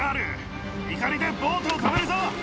イカリでボートを止めるぞ。